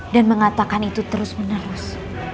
dan mengatakan itu terus menerus